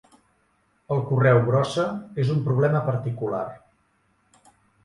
El correu brossa és un problema particular.